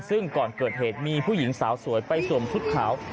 ซึ่งก่อนเกิดเหตุมีผู้หญิงสาวสวยไปสวมชุดขาว